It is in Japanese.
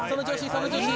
その調子